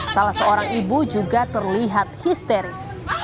salah seorang ibu juga terlihat histeris